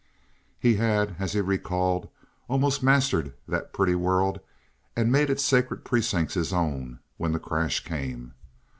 He had, as he recalled, almost mastered that pretty world and made its sacred precincts his own when the crash came.